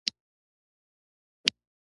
جوماتونو منبرونو کې جوړېږي